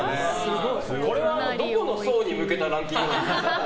これはどこの層に向けたランキングなの？